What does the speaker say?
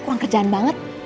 kurang kejalan banget